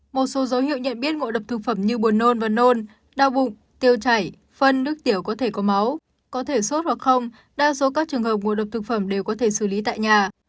một số dấu hiệu nhận biết ngộ độc thực phẩm như buồn nôn và nôn đau bụng tiêu chảy phân nước tiểu có thể có máu có thể sốt hoặc không đa số các trường hợp ngộ độc thực phẩm đều có thể xử lý tại nhà